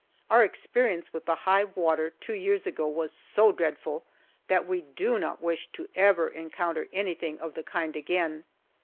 Our experience with the high water two years ago was so dreadful that we do not wish to ever encounter anything of the kind again.